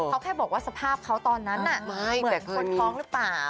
เขาแค่บอกว่าสภาพเขาตอนนั้นน่ะเหมือนคนท้องหรือเปล่า